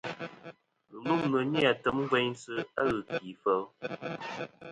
Ghɨlûmnɨ ni-a tem gveynsɨ a ghɨkì fel.